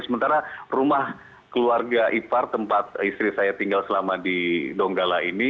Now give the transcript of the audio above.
sementara rumah keluarga ipar tempat istri saya tinggal selama